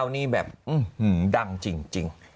นี่แบบอื้อหือดังจริง